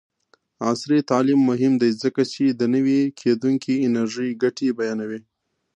عصري تعلیم مهم دی ځکه چې د نوي کیدونکي انرژۍ ګټې بیانوي.